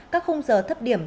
các khung giờ thấp điểm